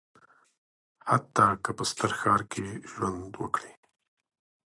حتی که په ستر ښار کې ژوند وکړي.